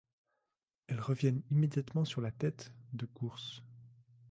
Elles reviennent immédiatement sur la tête de course.